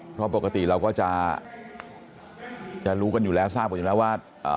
เพราะปกติเราก็จะรู้กันอยู่แล้วทราบกันอยู่แล้วว่า